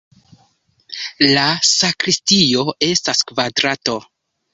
La sakristio estas kvadrato.